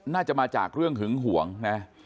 น่าจะมาจากเรื่องหึงห่วงนะ